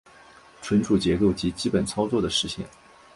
存储结构及基本操作的实现